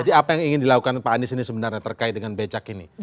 jadi apa yang ingin dilakukan pak anies ini sebenarnya terkait dengan becak ini